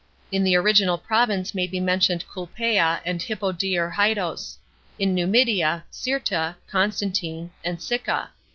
In the original province may be mentioned Clii]>ea, and Hippo Diarrhytos ; in Numidia, Cirta (f onstantin?) and Sicca.